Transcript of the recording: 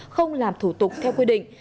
không làm thủ tục theo quy định